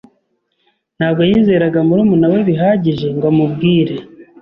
Ntabwo yizeraga murumuna we bihagije ngo amubwire.